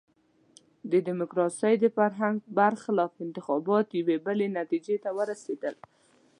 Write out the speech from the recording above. د ډیموکراسۍ د فرهنګ برخلاف انتخابات یوې بلې نتیجې ته ورسېدل.